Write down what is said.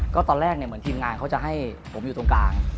ก็ตอนแรกเหมือนทีมงานเขาจะให้ผมอยู่ตรงกลาง